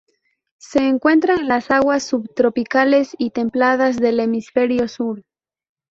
Se encuentra en las aguas subtropicales y templadas del hemisferio sur.